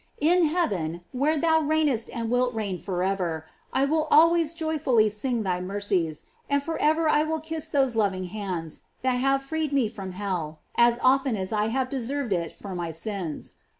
In heaven, where thou reignest and wilt reign forever, I will always joyfully sing thy mercies, and forever I will kiss those loving hands that have freed me from hell as often as I have deserv ed it for my sins.